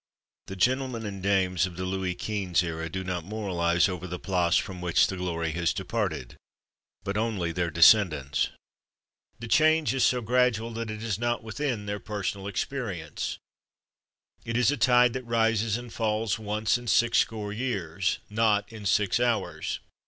The gentlemen and dames of the Louis Quinze era do not moralize over the Place from which the glory has departed, but only their descendants. The change is so gradual that it is not within their personal experience. It is a tide that rises and falls once in sixscore years, not in six hours.